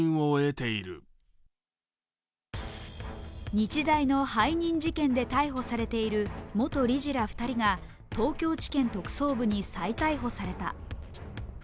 日大の背任事件で逮捕されている元理事ら２人が東京地検特捜部に再逮捕された。